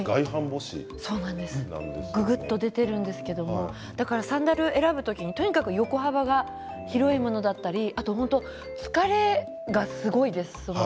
ぐぐっと出ているんですけどサンダルを選ぶ時にとにかく横幅が広いものだったり疲れがすごいです。